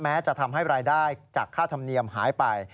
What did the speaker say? จะทำให้รายได้จากค่าธรรมเนียมหายไป